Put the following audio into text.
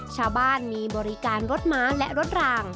ชาวบ้านมีบริการรถม้าและรถราง